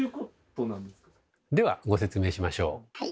ではご説明しましょう。